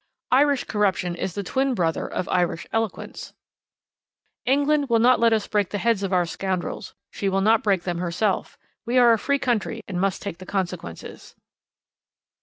Irish corruption is the twin brother of Irish eloquence. England will not let us break the heads of our scoundrels; she will not break them herself; we are a free country, and must take the consequences.